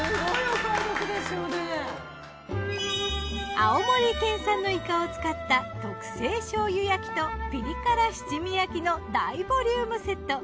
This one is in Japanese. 青森県産のイカを使った特製醤油焼きとピリ辛七味焼きの大ボリュームセット。